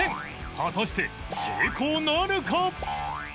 果たして成功なるか？